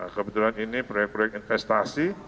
kebetulan ini proyek proyek investasi